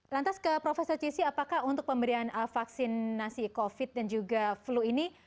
lantas ke profesor cissi apakah untuk pemberian vaksinasi covid dan juga flu ini